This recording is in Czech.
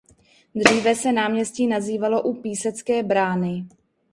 Dříve se náměstí nazývalo "U písecké brány".